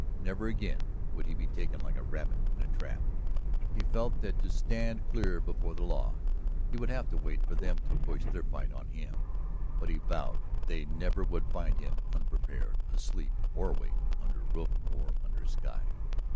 Never again would he be taken like a rabbit in a trap. He felt that, to stand clear before the law, he would have to wait for them to push their fight on him, but he vowed they never would find him unprepared, asleep or awake, under roof or under sky.